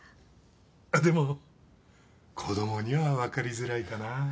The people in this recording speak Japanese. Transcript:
あっでも子供には分かりづらいかな。